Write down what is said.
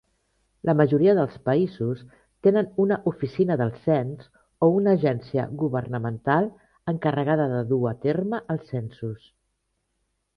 La majoria dels països tenen una oficina del cens o una agència governamental encarregada de dur a terme els censos.